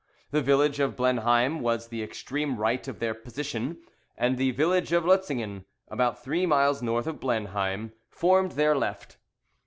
The village of Blenheim was the extreme right of their position, and the village of Lutzingen, about three miles north of Blenheim, formed their left.